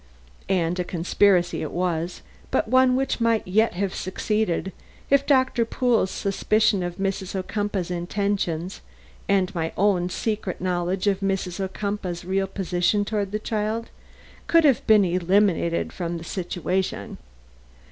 And a conspiracy it was, but one which might yet have succeeded if Doctor Pool's suspicion of Mrs. Ocumpaugh's intentions, and my own secret knowledge of Mrs. Ocumpaugh's real position toward this child, could have been eliminated from the situation.